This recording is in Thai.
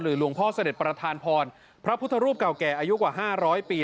หลวงพ่อเสด็จประธานพรพระพุทธรูปเก่าแก่อายุกว่า๕๐๐ปี